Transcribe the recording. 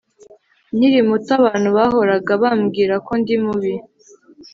Nkiri muto abantu bahoraga bambwira ko ndi mubi